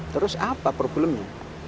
terus apa problemnya